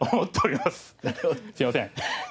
すいません。